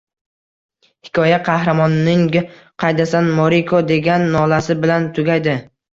Hikoya qahramonning «Qaydasan, Moriko», — dеgan nolasi bilan tugaydi.